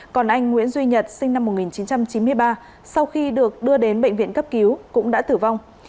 còn anh nguyễn duy nhật sinh năm một nghìn chín trăm chín mươi ba sau khi được đưa đến bệnh viện cấp cứu cũng đã tử vong